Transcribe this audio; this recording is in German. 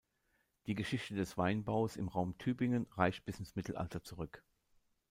Die Geschichte des Weinbaus im Raum Tübingen reicht bis ins Mittelalter zurück.